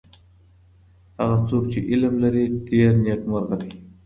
هغه څوک چی علم لري ډېر نیکمرغه دی.